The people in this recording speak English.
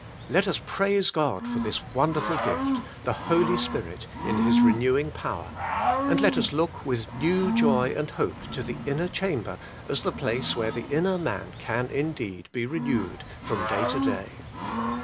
Let us praise God for this wonderful gift, the Holy Spirit 124 The Inner Chamber in His renewing power, and let ns look with new joy and hope to the inner chamber as the place where the inner man can indeed be renewed from day to day.